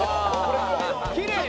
きれいね。